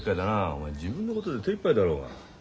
お前自分のことで手いっぱいだろうが。